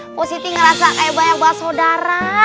mpo siti ngerasa kayak banyak bahas sodara